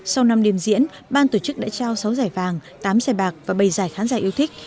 sau năm đêm diễn ban tổ chức đã trao sáu giải vàng tám giải bạc và bảy giải khán giả yêu thích